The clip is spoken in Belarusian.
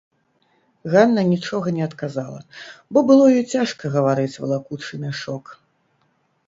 Ганна нічога не адказала, бо было ёй цяжка гаварыць, валакучы мяшок.